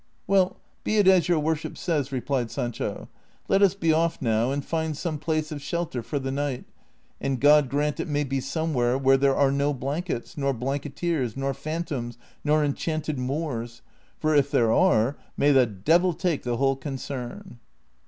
^'' Well, be it as your worship says," replied Sancho ;" let us be off now and find some place of shelter for the night, and God grant it may be somewhere where there are no blankets, nor blanketeers, nor phantoms, nor enchanted Moors ; for if there are, may the devil take the whole concern."